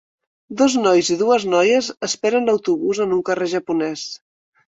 Dos nois i dues noies esperen l'autobús en un carrer japonès